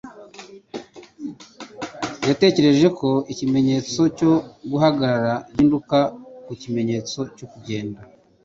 Yategereje ko ikimenyetso cyo guhagarara gihinduka ku kimenyetso cyo kugenda.